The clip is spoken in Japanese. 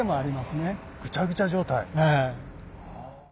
ええ。